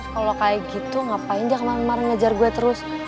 terus kalo kayak gitu ngapain dia kemarin kemarin ngejar gua terus